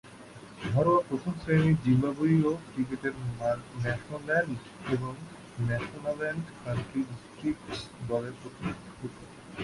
ঘরোয়া প্রথম-শ্রেণীর জিম্বাবুয়ীয় ক্রিকেটে ম্যাশোনাল্যান্ড এবং ম্যাশোনাল্যান্ড কান্ট্রি ডিস্ট্রিক্টস দলের প্রতিনিধিত্ব করেন।